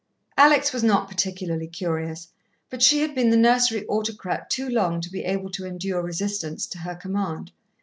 Alex was not particularly curious, but she had been the nursery autocrat too long to be able to endure resistance to her command.